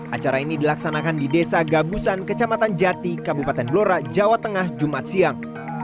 acara ini dilaksanakan di desa gabusan kecamatan jati kabupaten blora jawa tengah jumat siang